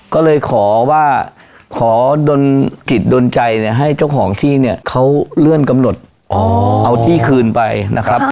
ก็เลยขอว่าขอจิตดนใจเนี่ยให้เจ้าของที่เนี่ยเขาเลื่อนกำหนดเอาที่คืนไปนะครับ